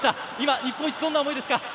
日本一、どんな思いですか？